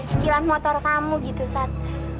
cicilan motor kamu gitu saat